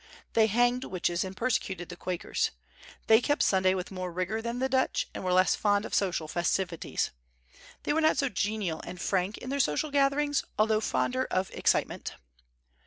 They hanged witches and persecuted the Quakers. They kept Sunday with more rigor than the Dutch, and were less fond of social festivities. They were not so genial and frank in their social gatherings, although fonder of excitement.